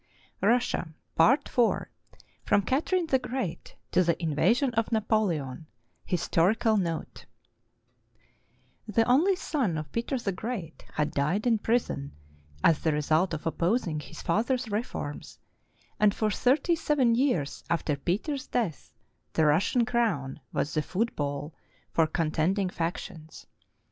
* Pray and work. IV FROM CATHERINE THE GREAT TO THE INVASION OF NAPOLEON HISTORICAL NOTE The only son of Peter the Great had died in prison as the result of opposing his father's reforms, and for thirty seven years after Peter's death the Russian crown was the football for contending factions.